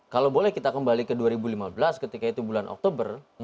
kalau boleh kita kembali ke dua ribu lima belas ketika itu bulan oktober